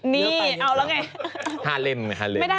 นี่เอาแล้วไง